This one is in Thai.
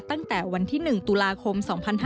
ตั้งแต่วันที่๑ตุลาคม๒๕๕๙